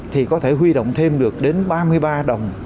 thì có thể huy động thêm được đến ba mươi ba đồng